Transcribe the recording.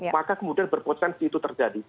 maka kemudian berpotensi itu terjadi